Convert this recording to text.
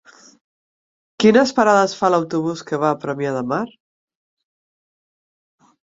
Quines parades fa l'autobús que va a Premià de Mar?